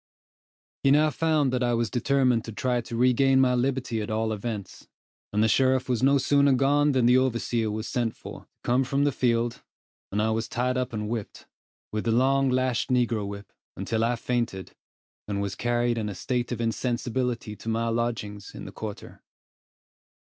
He now found that I was determined to try to regain my liberty at all events, and the sheriff was no sooner gone than the overseer was sent for, to come from the field, and I was tied up and whipped, with the long lashed negro whip, until I fainted, and was carried in a state of insensibility to my lodgings in the quarter.